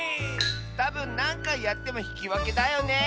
たぶんなんかいやってもひきわけだよね。